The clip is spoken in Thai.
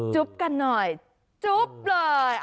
จุ๊บกันหน่อยจุ๊บเลย